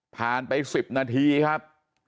ผ่านไปสิบนาทีครับ